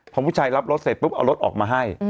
พอผู้ชายรับรถเสร็จปุ๊บเอารถออกมาให้